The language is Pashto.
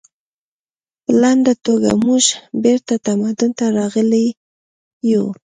په لنډه توګه موږ بیرته تمدن ته راغلي یو